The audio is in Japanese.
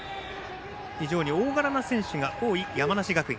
非常に大柄な選手が多い山梨学院。